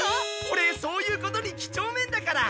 オレそういうことにきちょうめんだから。